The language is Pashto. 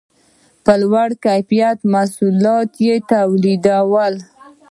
په لوړ کیفیت محصولات یې تولیدول.